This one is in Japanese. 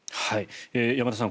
山田さん